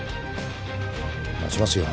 待ちますよ。